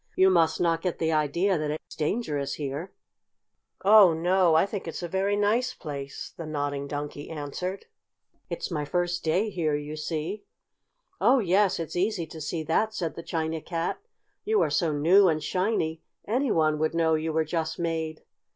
"You must not get the idea that it is dangerous here." "Oh, no, I think it's a very nice place," the Nodding Donkey answered. "It's my first day here, you see." "Oh, yes, it's easy to see that," said the China Cat. "You are so new and shiny any one would know you were just made.